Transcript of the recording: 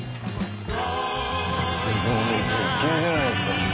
すげぇ絶景じゃないっすか。